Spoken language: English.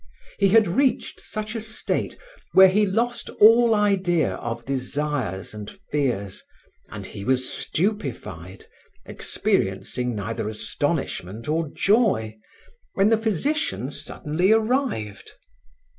He had reached such a state where he lost all idea of desires and fears, and he was stupefied, experiencing neither astonishment or joy, when the physician suddenly arrived.